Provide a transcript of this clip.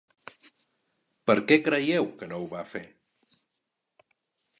Per què creieu que no ho va fer?